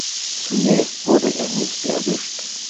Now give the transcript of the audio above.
Zunächst wurde er nicht erwischt.